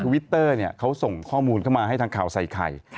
ทุกวิตเตอร์เขาส่งข้อมูลเข้ามาให้ทางข่าวไสไข่